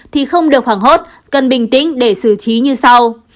thì không được hoảng hốt cần bình tĩnh để xử trí như sau